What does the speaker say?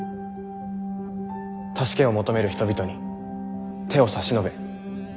助けを求める人々に手を差し伸べ救う政治。